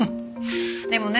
でもね